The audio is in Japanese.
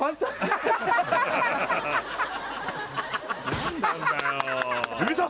何なんだよ